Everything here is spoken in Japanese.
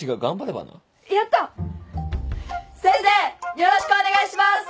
よろしくお願いします。